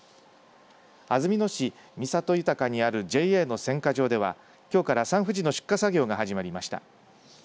安曇野市三郷温にあるＪＡの選果場ではきょうからサンふじの出荷作業が始まりました。